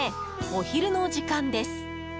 お昼の時間です。